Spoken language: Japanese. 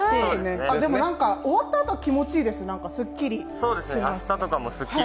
でも何か終わったあと気持ちいいです、すっきり。